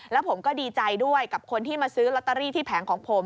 แล้วผมก็ดีใจด้วยกับคนที่มาซื้อลอตเตอรี่ที่แผงของผม